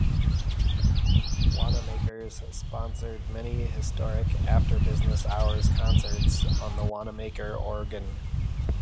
Wanamaker's sponsored many historic after-business-hours concerts on the Wanamaker Organ.